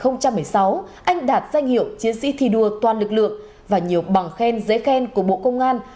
năm hai nghìn một mươi sáu anh đạt danh hiệu chiến sĩ thi đua toàn lực lượng và nhiều bằng khen giấy khen của bộ công an